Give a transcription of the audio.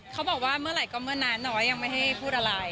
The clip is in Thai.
เขาบอกว่าเมื่อไหร่ก็เมื่อนั้นน้อยยังไม่ให้พูดอะไร